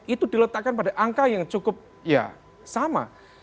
itu diletakkan pada angka yang cukup sama